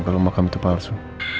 kalau makam itu palsu